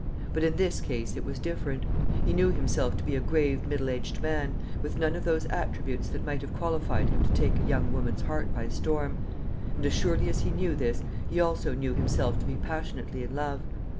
But in this case it was different. He knew himself to be a grave middle aged man, with none of those attributes that might have qualified him to take a young woman's heart by storm; and as surely as he knew this, he also knew himself to be passionately in love.